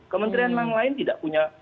kementerian yang lain tidak punya